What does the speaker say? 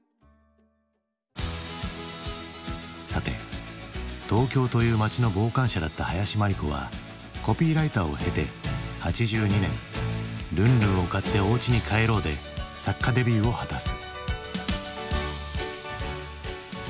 さて東京という街の傍観者だった林真理子はコピーライターを経て８２年「ルンルンを買っておうちに帰ろう」で作家デビューを果たす。